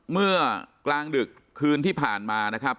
เมื่อกลางดึกคืนที่ผ่านมานะครับ